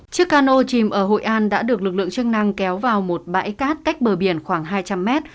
chiếc cano chìm ở hội an đã được lực lượng chức năng kéo vào một bãi cát cách bờ biển khoảng hai trăm linh mét